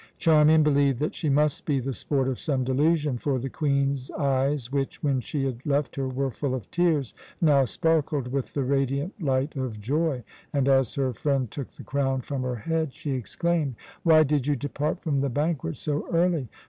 Charmian believed that she must be the sport of some delusion, for the Queen's eyes which, when she had left her, were full of tears, now sparkled with the radiant light of joy and, as her friend took the crown from her head, she exclaimed: "Why did you depart from the banquet so early?